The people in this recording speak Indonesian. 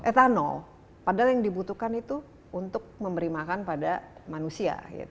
etanol padahal yang dibutuhkan itu untuk memberi makan pada manusia